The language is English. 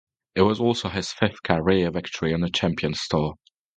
It was also his fifth career victory on the Champions Tour.